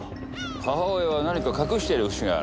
母親は何か隠してる節がある。